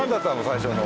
最初の。